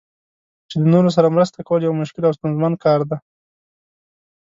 چې د نورو سره مرسته کول یو مشکل او ستونزمن کار دی.